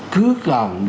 cứ làm đốt hàng mã